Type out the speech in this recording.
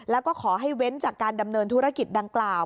แล้วก็ขอให้เว้นจากการดำเนินธุรกิจดังกล่าว